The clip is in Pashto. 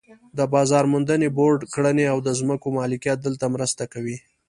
د بازار موندنې بورډ کړنې او د ځمکو مالکیت دلته مرسته کوي.